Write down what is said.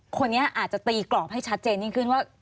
คนนี้อาจจะตีกรอบให้ชัดเจนยิ่งขึ้นว่า